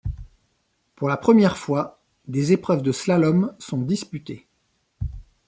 Pour la première fois, des épreuves de slalom sont disputées.